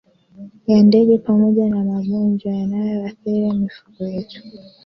ya ndege pamoja na Magonjwa yanayoathiri mifugo yetu